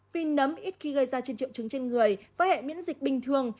vì nấm ít khi gây ra trên triệu trứng trên người với hệ miễn dịch bình thường